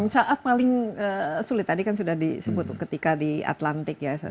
saat paling sulit tadi kan sudah disebut ketika di atlantik ya